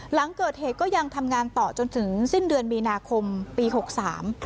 หลังเกิดเหตุก็ยังทำงานต่อจนถึงสิ้นเดือนมีนาคมปีหกสาม